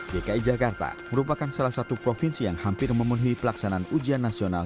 dki jakarta merupakan salah satu provinsi yang hampir memenuhi pelaksanaan ujian nasional